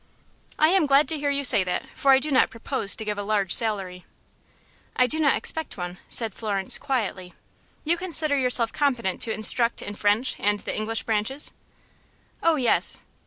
"I am glad to hear you say that, for I do not propose to give a large salary." "I do not expect one," said Florence, quietly. "You consider yourself competent to instruct in music, French and the English branches?" "Oh, yes."